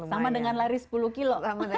sama dengan lari sepuluh kilo